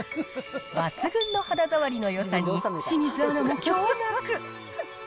抜群の肌触りのよさに、清水アナも驚がく。